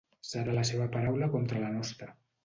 Serà la seva paraula contra la nostra.